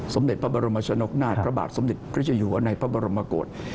สมเด็จพระบรมชนกนาฏพระบาทสมเด็จพระเจ้าอยู่ในพระบรมกฏ